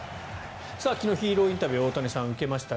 昨日、ヒーローインタビューを大谷さんが受けました。